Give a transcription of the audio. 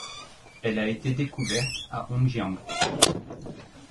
Elle a été découverte à Hongjiang.